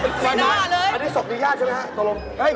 เป็นหน้าเลยอันนี้ศพมีญาติใช่ไหมครับ